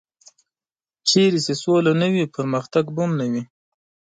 چېرته چې سوله نه وي پرمختګ به هم نه وي.